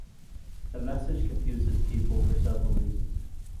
The message confuses people for several reasons.